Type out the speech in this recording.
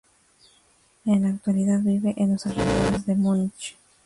En la actualidad vive en los alrededores de Múnich.